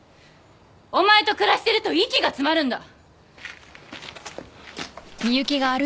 お前と暮らしてると息が詰まるんだ！